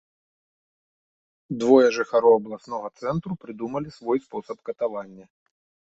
Двое жыхароў абласнога цэнтру прыдумалі свой спосаб катавання.